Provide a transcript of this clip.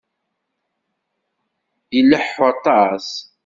Ileḥḥu aṭas.